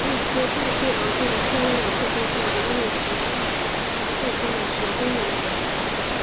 它有一些在最昂贵的天文软体中才有的应用程式中的许多功能。